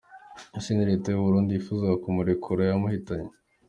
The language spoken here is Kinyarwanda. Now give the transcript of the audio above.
Ese ni Leta y’u Burundi yifuzaga kumurekura yamuhitanye?